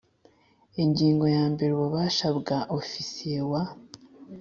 Ingingo ya mbere Ububasha bwa Ofisiye wa